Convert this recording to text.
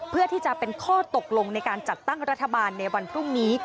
เพื่อที่จะเป็นข้อตกลงในการจัดตั้งรัฐบาลในวันพรุ่งนี้